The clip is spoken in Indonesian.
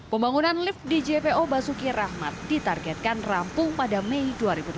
pembangunan lift di jpo basuki rahmat ditargetkan rampung pada mei dua ribu tujuh belas